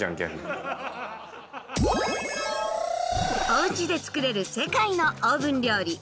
おうちで作れる世界のオーブン料理。